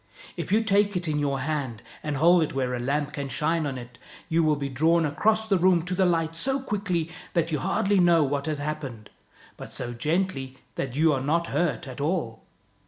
If you take it in your hand and hold it where a lamp can shine on it, you will be drawn across the room to the light so quickly that you hardly know what has happened, but so gently that you are not hurt at all.